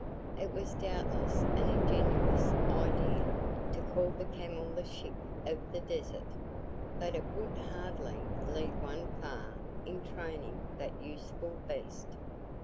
It was doubtless an ingenious idea to call the camel the ship of the desert, but it would hardly lead one far in training that useful beast.